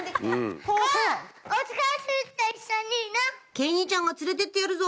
「慶兄ちゃんが連れてってやるぞ！」